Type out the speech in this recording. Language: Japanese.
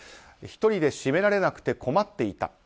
１人で閉められなくて困っていた。